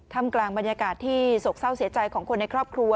กลางบรรยากาศที่โศกเศร้าเสียใจของคนในครอบครัว